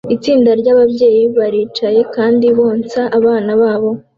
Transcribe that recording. Itsinda ry'ababyeyi baricaye kandi bonsa abana babo